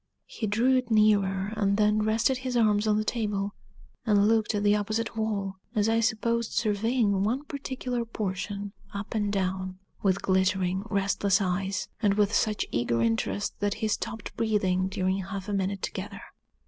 He drew it nearer, and then rested his arms on the table, and looked at the opposite wall, as I supposed surveying one particular portion, up and down, with glittering, restless eyes, and with such eager interest that he stopped breathing during half a minute together.